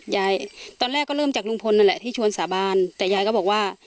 ตอนแรกก็เริ่มจากลุงพลนั่นแหละที่ชวนสาบานแต่ยายก็บอกว่า